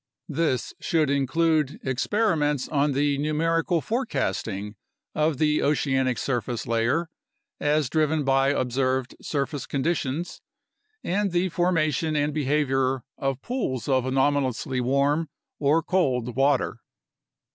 This should include experiments on the numerical forecasting of the oceanic surface layer, as driven by observed surface conditions, and the forma tion and behavior of pools of anomalously warm or cold water.